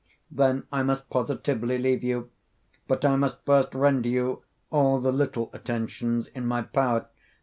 Then I must positively leave you. But I must first render you all the little attentions in my power."